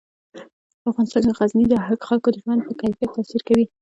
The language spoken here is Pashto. په افغانستان کې غزني د خلکو د ژوند په کیفیت تاثیر کوي.